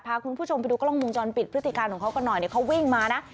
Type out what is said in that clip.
พาคุณผู้ชมไปดูกล้องมุมจรปิดพฤติการของเขากันหน่อยเนี่ยเขาวิ่งมานะ